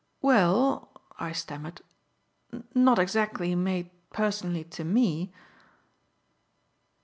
"Well," I stammered, "not exactly made personally to me."